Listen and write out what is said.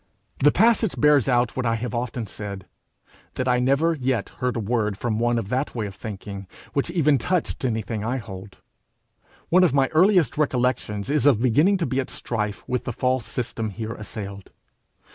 The passage bears out what I have often said that I never yet heard a word from one of that way of thinking, which even touched anything I hold. One of my earliest recollections is of beginning to be at strife with the false system here assailed.